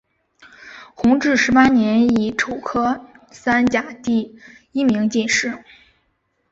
弘治十八年乙丑科三甲第一名进士。